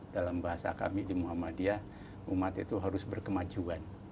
dalam bahasa kami di muhammadiyah umat itu harus berkemajuan